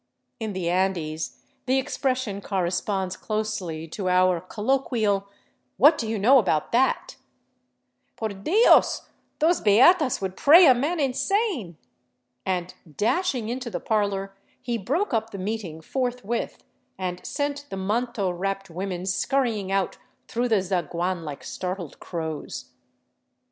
(In the Andes the expression corresponds ;closely to our colloquial "What do you know about that?") "Per j ^3 VAGABONDING DOWN THE ANDES Dios, those beatas would pray a man insane !" and dashing into the parlor, he broke up the meeting forthwith, and sent the manto wrapped women scurrying out through the zaguan Hke startled crows.